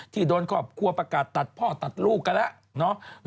ที่โดนครับประกาศตัดพ่อตัดลูกกันแล้ว